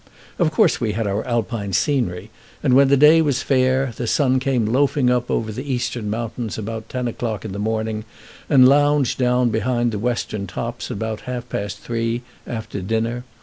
Of course we had our Alpine scenery, and when the day was fair the sun came loafing up over the eastern mountains about ten o'clock in the morning, and lounged down behind the western tops about half past three, after dinner.